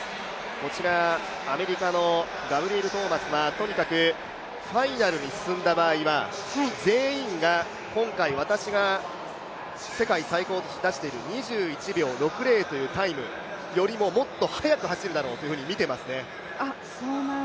こちら、アメリカのガブリエル・トーマスはとにかくファイナルに進んだ場合は全員が今回私が世界最高として出してる２１秒６０というタイムよりももっと速く走るだろうとみていますね。